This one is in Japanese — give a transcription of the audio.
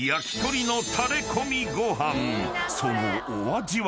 ［そのお味は？］